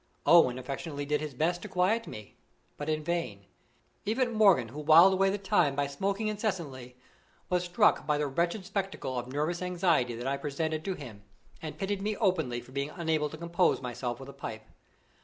Owen affectionately did his best to quiet me, but in vain. Even Morgan, who whiled away the time by smoking incessantly, was struck by the wretched spectacle of nervous anxiety that I presented to him, and pitied me openly for being unable to compose myself with a pipe.